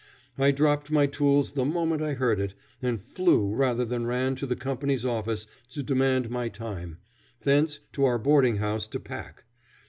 I dropped my tools the moment I heard it, and flew rather than ran to the company's office to demand my time; thence to our boarding house to pack.